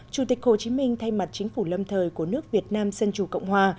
chủ tịch hồ chí minh thay mặt chính phủ lâm thời của nước việt nam dân chủ cộng hòa